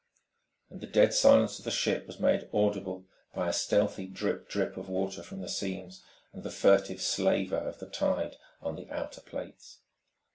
And the dead silence of the ship was made audible by a stealthy drip drip of water from the seams, and the furtive slaver of the tide on the outer plates.